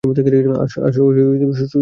আজ সুযোগ মিলে গিয়েছিল।